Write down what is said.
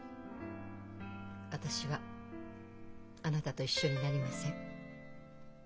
私はあなたと一緒になりません。